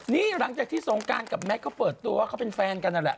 นี่หลังจากที่สงการกับแมทเขาเปิดตัวว่าเขาเป็นแฟนกันนั่นแหละ